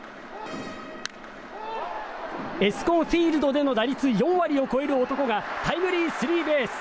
エスコンフィールドでの打率４割を超える男がタイムリースリーベース。